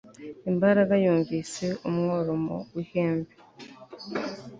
imbaga yumvise umworomo w'ihembe